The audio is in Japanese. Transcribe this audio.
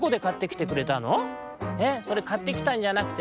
「えっそれかってきたんじゃなくてね